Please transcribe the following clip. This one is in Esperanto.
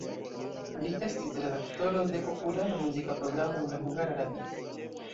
Li estis redaktoro de populara muzika programo en la Hungara Radio.